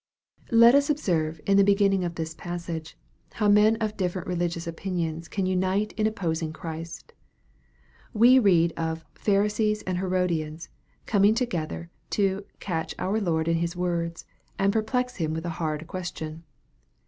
LET us observe in the beginning of this passage, how men of different religious opinions can unite in opposing GJirist. We read of " Pharisees and Herodians" coming together to " catch our Lord in His words," and perplex Him with a hard question.